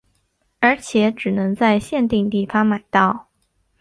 而且只能在限定地方买到。